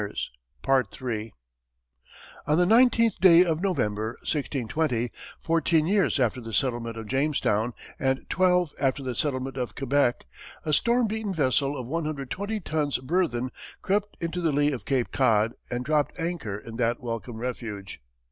On the nineteenth day of November, 1620, fourteen years after the settlement of Jamestown and twelve after the settlement of Quebec, a storm beaten vessel of 120 tons burthen crept into the lee of Cape Cod and dropped anchor in that welcome refuge.